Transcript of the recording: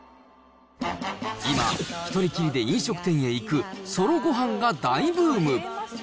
今、１人きりで飲食店へ行くソロごはんが大ブーム。